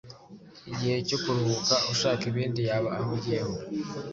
igihe cyo kuruhuka ushaka ibindi yaba ahugiyeho,